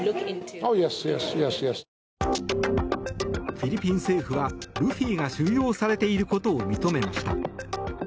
フィリピン政府はルフィが収容されていることを認めました。